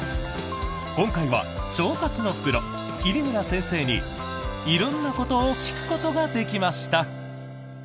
今回は腸活のプロ、桐村先生に色んなことを聞くことができました。